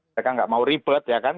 mereka nggak mau ribet ya kan